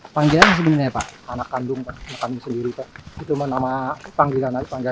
panggilan sebenarnya pak anak kandung ngakutkan sendiri cipta hitungan nama panggilan naik aja